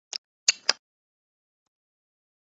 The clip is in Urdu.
فیضؔ کیا جانیے یار کس آس پر منتظر ہیں کہ لائے گا کوئی خبر